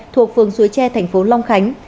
thuộc phường suối tre thành phố long khánh